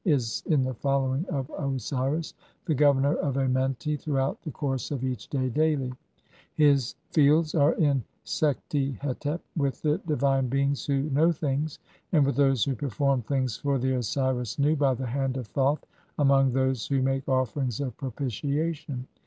is in the following "of Osiris, the governor of Amenti, throughout the course of "each day, daily, (n) His fields are in Sekhti hetep with the "divine beings who know things, and with those who perform "things for the Osiris Nu (12) by the hand of Thoth among "those who make offerings of propitiation.